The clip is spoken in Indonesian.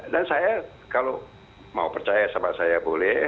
dan saya kalau mau percaya sama saya boleh